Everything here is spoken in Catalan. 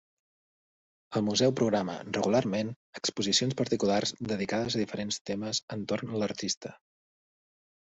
El museu programa, regularment, exposicions particulars dedicades a diferents temes entorn l'artista.